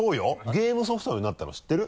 ゲームソフトになったの知ってる？